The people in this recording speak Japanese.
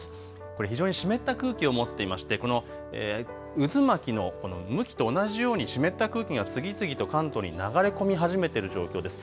これ非常に湿った空気を持っていまして渦巻きの向きと同じように湿った空気が次々と関東に流れ込み始めている状況です。